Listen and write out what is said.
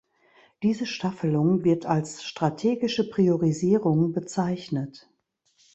Diese Staffelung wird als "strategische Priorisierung" bezeichnet.